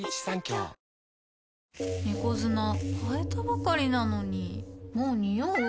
猫砂替えたばかりなのにもうニオう？